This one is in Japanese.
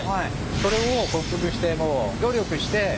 それを克服してもう努力して。